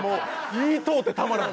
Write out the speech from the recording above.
言いとうてたまらん。